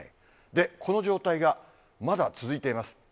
この状態がまだ続いています。